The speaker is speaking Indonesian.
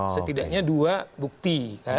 setidaknya dua bukti